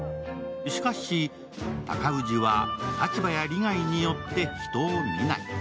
しかし、尊氏は立場や利害によって人を見ない。